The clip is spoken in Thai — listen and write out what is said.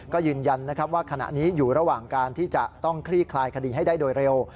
ก็ยืนยันนะครับว่าขณะนี้อยู่ระหว่างการที่จะต้องคลี่คลายคดีให้ได้โดยเร็ว